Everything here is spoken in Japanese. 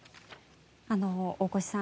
大越さん